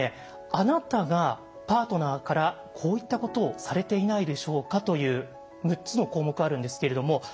あなたがパートナーからこういったことをされていないでしょうか？という６つの項目があるんですけれども。